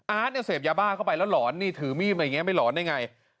เนี่ยเสพยาบ้าเข้าไปแล้วหลอนนี่ถือมีดอะไรอย่างนี้ไม่หลอนได้ไง